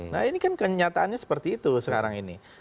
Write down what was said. nah ini kan kenyataannya seperti itu sekarang ini